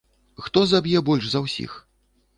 Хто заб'е больш за ўсіх?